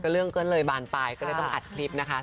เรื่องก็เลยบานไปก็เลยต้องอัดคลิปนะคะ